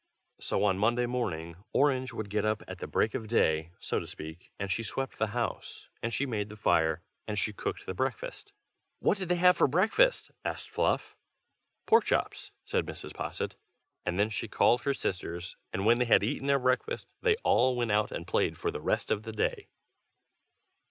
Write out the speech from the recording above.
So on Monday morning Orange would get up at the break of day, so to speak, and she swept the house, and she made the fire, and she cooked the breakfast " "What did they have for breakfast?" asked Fluff. "Pork chops," said Mrs. Posset. "And then she called her sisters; and when they had eaten their breakfast, they all went out and played for the rest of the day.